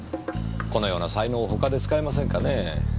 このような才能を他で使えませんかねぇ。